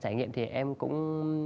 trải nghiệm thì em cũng